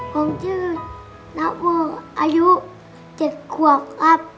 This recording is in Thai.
ผมชื่อนาโออายุ๗ขวบครับ